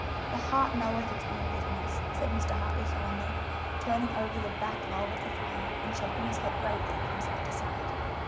"The heart knoweth its own bitterness," said Mr. Hartley solemnly, turning over the back log of the fire and shaking his head gravely from side to side.